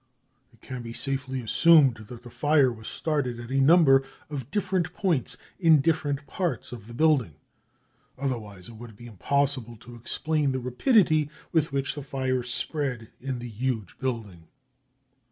' It can be safely assumed that the fire was started at a number of different points in different parts of the building. Otherwise it would be impossible to explain the rapidity with which the fire spread in the huge building.